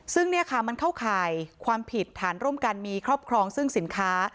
ซึ่งเนี่ยค่ะมันเข้าข่ายความผิดฐานร่วมกันมีครอบครองซึ่งสินค้า